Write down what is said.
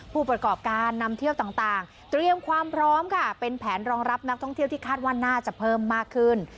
ผู้ประกอบการนำเที่ยวต่างเตรียมความพร้อมค่ะเป็นแผนรองรับนักท่องเที่ยวที่คาดว่าน่าจะเพิ่มมากขึ้น